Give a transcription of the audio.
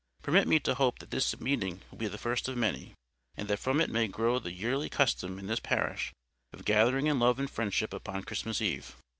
Permit me to hope that this meeting will be the first of many, and that from it may grow the yearly custom in this parish of gathering in love and friendship upon Christmas Eve.